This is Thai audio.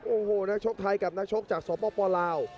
โอ้โหนักชกไทยกับนักชกจากสปลาว